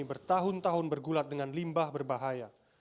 bertahun tahun bergulat dengan limbah berbahaya